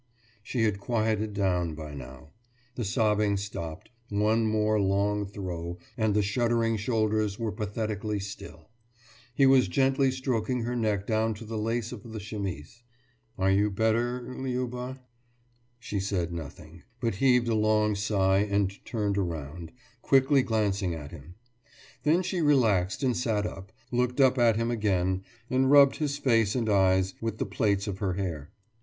« She had quieted down by now. The sobbing stopped; one more long throe, and the shuddering shoulders were pathetically still; he was gently stroking her neck down to the lace of the chemise. »Are you better, Liuba?« She said nothing, but heaved a long sigh and turned round, quickly glancing at him. Then she relaxed and sat up, looked up at him again, and rubbed his face and eyes with the plaits of her hair.